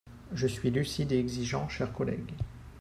Je suis lucide et exigeant, chers collègues.